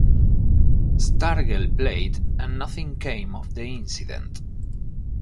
Stargell played and nothing came of the incident.